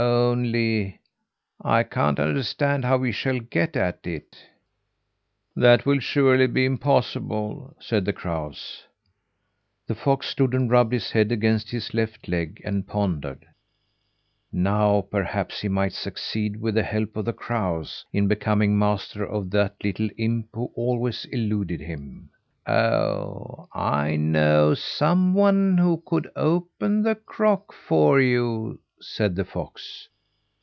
"Only I can't understand how we shall get at it." "That will surely be impossible," said the crows. The fox stood and rubbed his head against his left leg, and pondered. Now perhaps he might succeed, with the help of the crows, in becoming master of that little imp who always eluded him. "Oh! I know someone who could open the crock for you," said the fox.